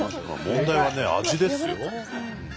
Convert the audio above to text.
問題はね味ですよ。